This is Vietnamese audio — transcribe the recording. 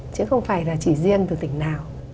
chứ không phải là chỉ riêng từ tỉnh nào